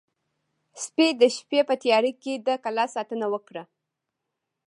سپي د شپې په تیاره کې د کلا ساتنه وکړه.